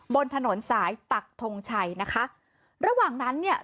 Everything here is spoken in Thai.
บนถนนสายปักทงชัยนะคะระหว่างนั้นเนี่ย